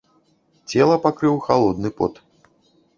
Цела пакрыў халодны пот.